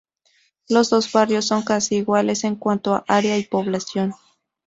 Los dos barrios son casi iguales en cuanto a área y población.